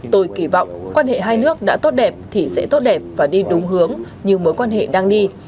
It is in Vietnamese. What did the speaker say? tôi kỳ vọng quan hệ hai nước đã tốt đẹp thì sẽ tốt đẹp và đi đúng hướng như mối quan hệ đang đi